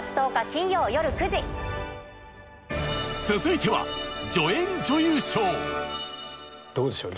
続いてはどうでしょう？